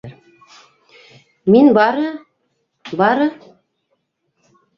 — Мин бары... бары...